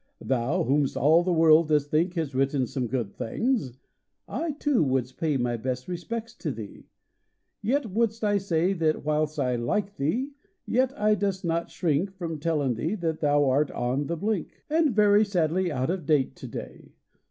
Thou whom st all the world dost think Hast written some good things, I, too, wouldst pay My best respects to thee; yet, wouldst I say That whilst I like thee yet I dost not shrink From tellin thee that thou art on the " blink " SONNETS OF A BUDDING BARD And very sadly out of date to day.